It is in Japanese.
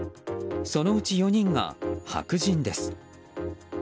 そのうち４人が白人です。